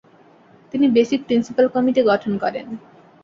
তিনি basic principle committee গঠন করেন।